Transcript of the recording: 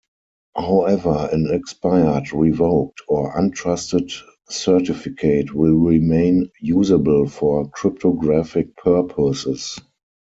However, an expired, revoked, or untrusted certificate will remain usable for cryptographic purposes.